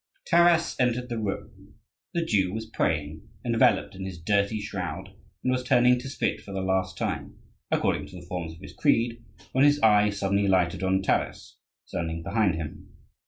Taras entered the room. The Jew was praying, enveloped in his dirty shroud, and was turning to spit for the last time, according to the forms of his creed, when his eye suddenly lighted on Taras standing behind him.